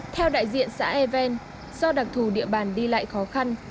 theo đại diện xã e ven do đặc thù địa bàn đi lại khó khăn